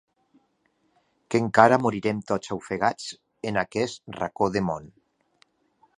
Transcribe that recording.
Que encara morirem tots ofegats en aquest racó de món.